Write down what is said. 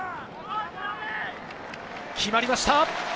決まりました。